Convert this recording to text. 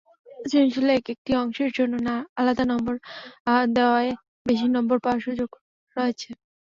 সৃজনশীলে একেকটি অংশের জন্য আলাদা নম্বর দেওয়ায় বেশি নম্বর পাওয়ার সুযোগ রয়েছে।